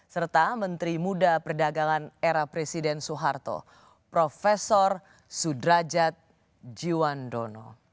serta menteri muda perdagangan era presiden soeharto prof sudrajat jiwandono